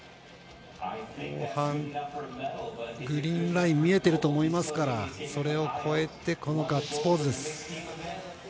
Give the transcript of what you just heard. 後半、グリーンライン見えてると思いますからそれを越えてこのガッツポーズです。